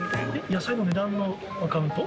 野菜の値段のアカウント？